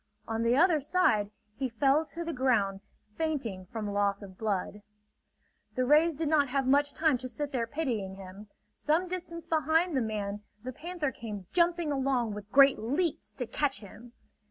On the other side he fell to the ground fainting from loss of blood. The rays did not have much time to sit there pitying him. Some distance behind the man the panther came jumping along with great leaps to catch him.